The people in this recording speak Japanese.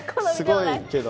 すごいけど。